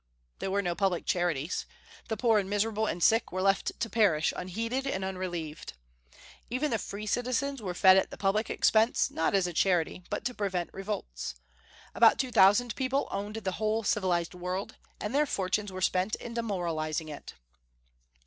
There were no public charities. The poor and miserable and sick were left to perish unheeded and unrelieved. Even the free citizens were fed at the public expense, not as a charity, but to prevent revolts. About two thousand people owned the whole civilized world, and their fortunes were spent in demoralizing it.